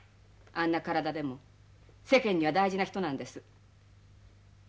あんな体でも世間には大事な人なんです。